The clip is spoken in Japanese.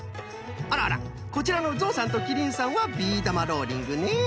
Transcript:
あらあらこちらのゾウさんとキリンさんはビー玉ローリングね。